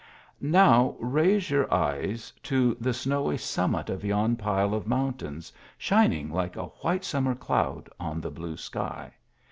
Now raise your eyes to the snowy summit of yon pile of mountains, shining like a white summer cloud on the blue sky.